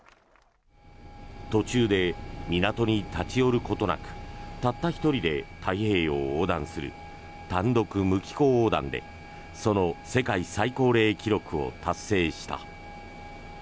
途中で港に立ち寄ることなくたった１人で太平洋を横断する単独無寄港横断でその世界最高齢記録を達成した。